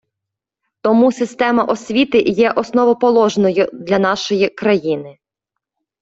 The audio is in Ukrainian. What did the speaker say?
Тому система освіти є основоположною для нашої країни.